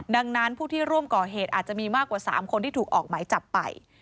ดังนั้นผู้ที่ร่วมก่อเหตุอาจจะมีมากกว่า๓คนที่ถูกออกหมายจับไป